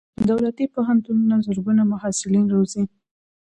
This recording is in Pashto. دولتي پوهنتونونه زرګونه محصلین روزي.